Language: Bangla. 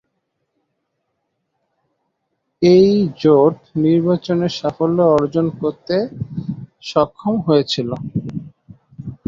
এই জোট নির্বাচনে সাফল্য অর্জন করতে সক্ষম হয়েছিল।